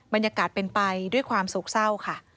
บรรยากาศเป็นไปด้วยความโศกเศร้าค่ะ